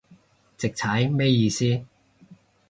直踩咩意思